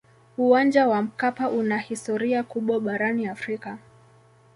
uwanja wa mkapa una historia kubwa barani afrika